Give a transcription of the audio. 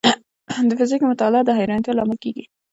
د فزیک مطالعه د حیرانتیا لامل کېږي.